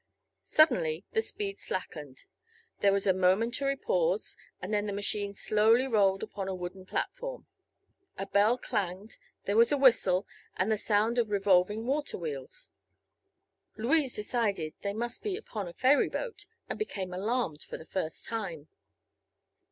Suddenly the speed slackened. There was a momentary pause, and then the machine slowly rolled upon a wooden platform. A bell clanged, there was a whistle and the sound of revolving water wheels. Louise decided they must be upon a ferry boat, and became alarmed for the first time.